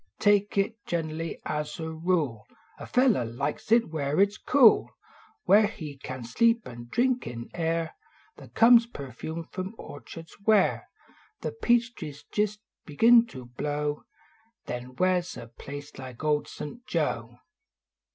Take it gener ly, as a rule. A feller likes it where it s cool. Where he can sleep, an drink in air That conies perfumed from orchards where The peach trees jist begin to blow ; Then where s a place like Old St. Joe?